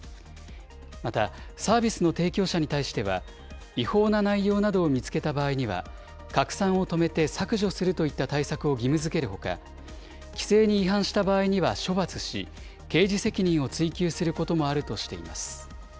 また、サービスの提供者に対しては、違法な内容などを見つけた場合には、拡散を止めて削除するといった対策を義務づけるほか、規制に違反した場合には処罰し、刑事責任を追及することもあるとしています。